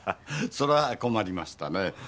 それは困りましたね。